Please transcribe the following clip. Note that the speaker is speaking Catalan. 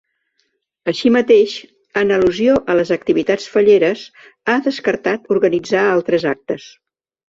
Així mateix, en al·lusió a les activitats falleres, ha descartat organitzar altres actes.